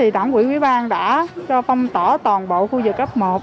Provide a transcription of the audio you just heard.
đảng quỹ quý bang đã cho phong tỏa toàn bộ khu vực cấp một